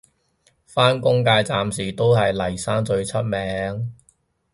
返工界暫時都係嚟生最出名